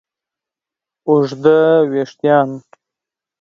اوږده وېښتیان